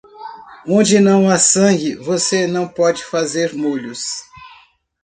Onde não há sangue, você não pode fazer molhos.